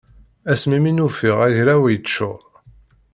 Ass mi n-ufiɣ agraw yeččur.